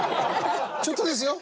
ちょっとですよ？